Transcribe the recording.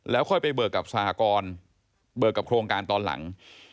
ค่อยไปเบิกกับสหกรเบิกกับโครงการตอนหลัง